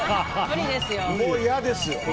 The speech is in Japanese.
もう嫌です！